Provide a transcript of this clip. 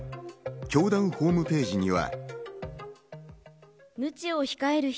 教団ホームページには。